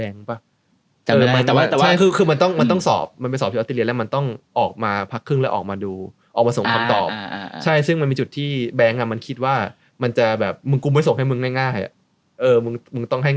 อะไรอย่างเงี้ยเราจะชอบแบบเนี้ย